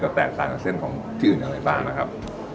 จะแตกต่างกับเซ็นต์ของที่อื่นอะไรตามนะครับ